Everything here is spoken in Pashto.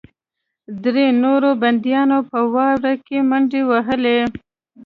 درې نورو بندیانو په واوره کې منډې وهلې